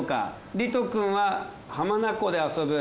リトくんは浜名湖で遊ぶ。